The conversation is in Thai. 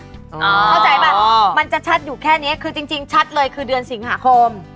เข้าใจป่ะมันจะชัดอยู่แค่นี้คือจริงชัดเลยคือเดือนสิงหาคม